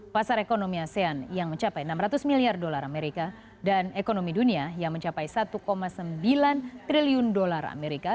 pasar ekonomi asean yang mencapai enam ratus miliar dolar amerika dan ekonomi dunia yang mencapai satu sembilan triliun dolar amerika